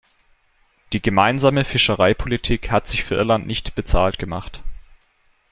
Die Gemeinsame Fischereipolitik hat sich für Irland nicht bezahlt gemacht.